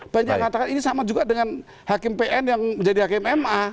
banyak yang mengatakan ini sama juga dengan hakim pn yang menjadi hakim ma